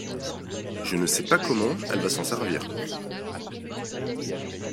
Je ne sais pas comment elle va s’en servir.